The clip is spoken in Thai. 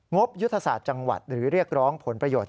บยุทธศาสตร์จังหวัดหรือเรียกร้องผลประโยชน